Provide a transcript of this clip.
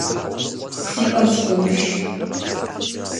Си пӏэ сыкъумыш.